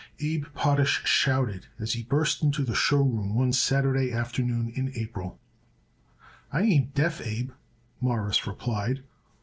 Abe Potash shouted as he burst into the show room one Saturday afternoon in April. "I ain't deaf, Abe," Morris replied.